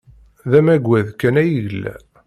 D amaggad kan ay yella.